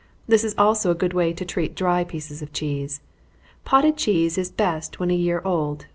This is also a good way to treat dry pieces of cheese. Potted cheese is best when a year old.